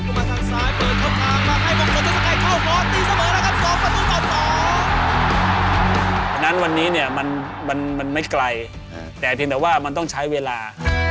เพราะฉะนั้นวันนี้เนี่ยมันไม่ไกลแต่เพียงแต่ว่ามันต้องใช้เวลา